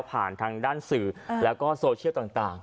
ทางด้านสื่อแล้วก็โซเชียลต่าง